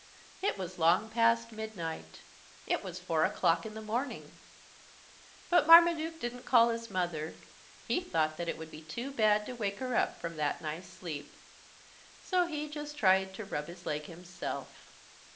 It was long past midnight it was four o 'clock in the morning! But Marmaduke didn't call his mother. He thought that it would be too bad to wake her up from that nice sleep. So he just tried to rub his leg himself.